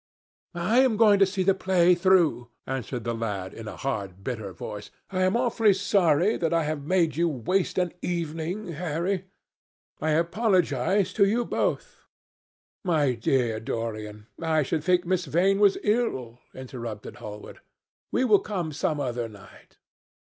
"I am going to see the play through," answered the lad, in a hard bitter voice. "I am awfully sorry that I have made you waste an evening, Harry. I apologize to you both." "My dear Dorian, I should think Miss Vane was ill," interrupted Hallward. "We will come some other night."